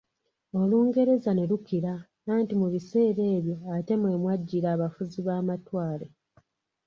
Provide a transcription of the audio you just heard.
Olungereza ne lukira anti mu biseera ebyo ate mwemwajjira abafuzi b’amatwale.